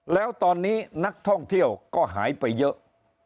แล้วตอนนี้นักท่องเที่ยวก็หายไปเยอะ